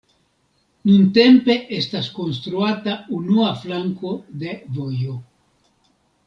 Nuntempe estas konstruata unua flanko de vojo.